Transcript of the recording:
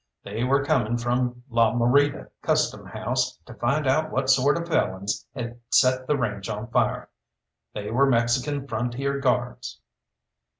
They were coming from La Morita Custom House to find out what sort of felons had set the range on fire. They were Mexican Frontier Guards.